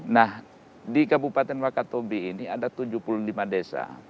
nah di kabupaten wakatobi ini ada tujuh puluh lima desa